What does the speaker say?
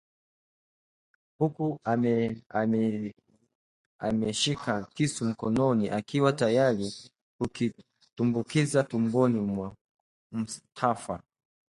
huku amekishika kisu mkononi akiwa tayari kukitumbukiza tumboni mwa Mustafa